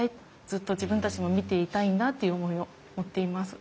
ずっと自分たちも見ていたいんだっていう思いを持っています。